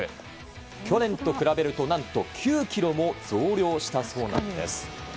去年と比べると、何と９ｋｇも増量したそうなんです。